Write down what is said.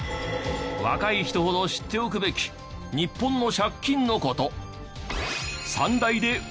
若い人ほど知っておくべき日本の借金の事。